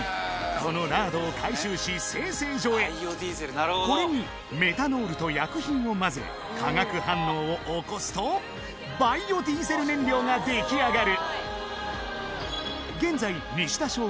このラードを回収し精製所へこれにメタノールと薬品を混ぜ化学反応を起こすとバイオディーゼル燃料が出来上がる